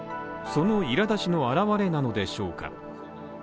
そのいらだちの表れなのでしょうか。